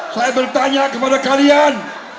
saya bertanya kepada kalian